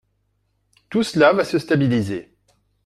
Tout cela va se stabiliser.